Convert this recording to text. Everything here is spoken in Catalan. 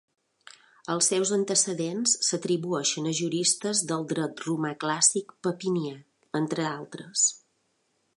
Els seus antecedents s'atribueixen a juristes del dret romà clàssic Papinià, entre altres.